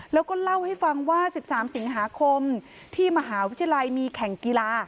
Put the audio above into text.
แล้วก็เล่าให้ฟังว่า๑๓สิงหาคมที่มหาวิทยาลัยมีแข่งกีฬา